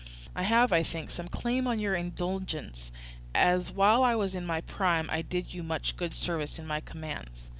I have, I think, some claim on your indulgence, as while I was in my prime I did you much good service in my commands.